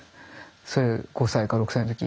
それ５歳か６歳の時。